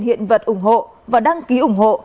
hiện vật ủng hộ và đăng ký ủng hộ